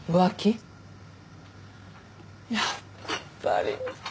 やっぱり。